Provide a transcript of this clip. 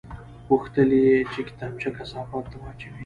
غوښتل یې چې کتابچه کثافاتو ته واچوي